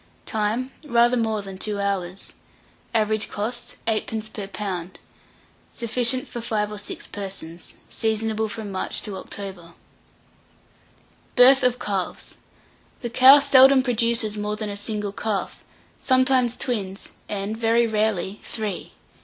Time. Rather more than 2 hours. Average cost, 8d. per lb. Sufficient for 5 or 6 persons. Seasonable from March to October. BIRTH OF CALVES. The cow seldom produces more than a single calf; sometimes, twins, and, very rarely, three.